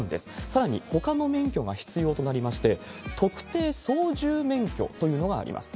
さらにほかの免許が必要となりまして、特定操縦免許というのがあります。